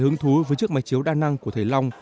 hứng thú với chiếc máy chiếu đa năng của thầy long